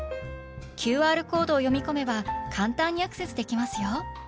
ＱＲコードを読み込めば簡単にアクセスできますよ！